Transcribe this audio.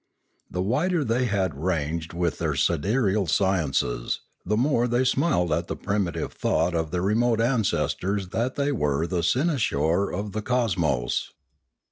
The wider they had ranged with their sidereal sciences, the more they smiled at the primitive thought of their re mote ancestors that they were the cynosure of the cos mos.